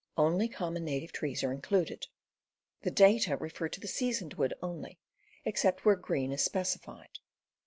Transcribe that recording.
Only common native trees are included. The data refer to the seasoned wood only, except where green is specified.